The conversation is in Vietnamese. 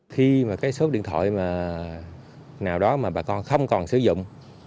khi mà cái số điện thoại mà nào đó mà bà con không còn sử dụng